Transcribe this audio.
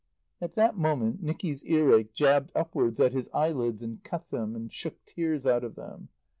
At that moment Nicky's earache jabbed upwards at his eyelids and cut them, and shook tears out of them.